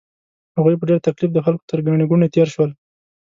هغوی په ډېر تکلیف د خلکو تر ګڼې ګوڼې تېر شول.